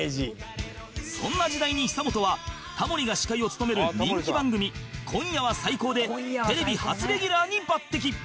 そんな時代に久本はタモリが司会を務める人気番組『今夜は最高！』でテレビ初レギュラーに抜擢